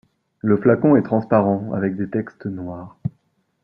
Le flacon est transparent, avec des textes noirs.